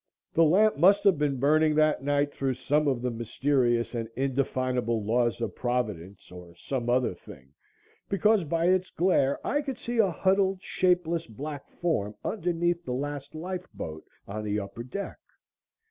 That lamp must have been burning that night through some of the mysterious and indefinable laws of Providence or some other thing, because by its glare I could see a huddled, shapeless, black form underneath the last lifeboat on the upper deck.